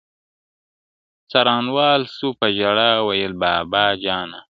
څارنوال سو په ژړا ویل بابا جانه,